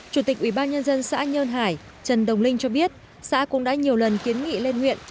chủ tịch ubnd xã nhơn hải trần đồng linh cho biết xã cũng đã nhiều lần kiến nghị lên huyện